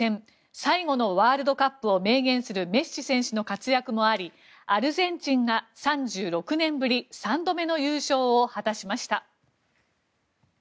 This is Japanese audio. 最後のワールドカップを明言するメッシ選手の活躍もありアルゼンチンが３６年ぶり３度目の優勝を果たしました。